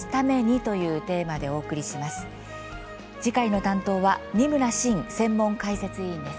次回の担当は二村伸専門解説委員です。